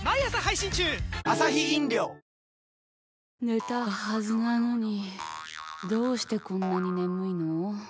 寝たはずなのにどうしてこんなに眠いの。